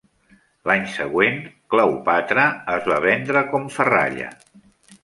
L'any següent "Cleopatra" es va vendre com ferralla.